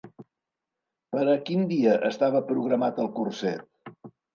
Per a quin dia estava programat el curset?